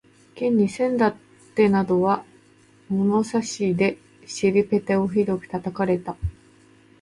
現にせんだってなどは物差しで尻ぺたをひどく叩かれた